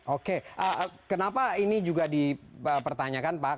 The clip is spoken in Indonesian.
oke kenapa ini juga dipertanyakan pak